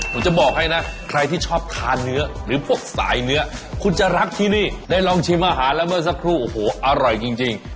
ผมจะบอกให้นะใครที่ชอบทานเนื้อหรือพวกสายเนื้อคุณจะรักที่นี่ได้ลองชิมอาหารแล้วเมื่อสักครู่โอ้โหอร่อยจริง